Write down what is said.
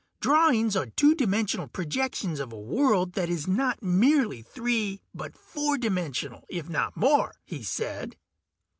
Drawings are two dimensional projections of a world that is not merely three but four dimensional, if not more," he said.